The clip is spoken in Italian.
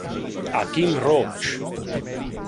Akeem Roach